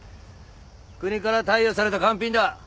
国から貸与された官品だ。